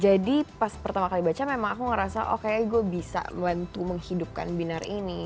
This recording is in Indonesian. jadi pas pertama kali baca memang aku ngerasa oh kayaknya gue bisa bantu menghidupkan binar ini